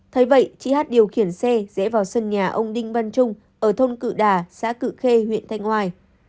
thế vậy chị hát điều khiển xe dễ vào sân nhà ông đinh văn trung ở thôn cự đà xã cự khê huyện thanh oai